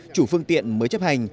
chủ phương tiện mới chấp hành